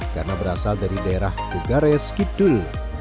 karena berasal dari daerah bogares kidul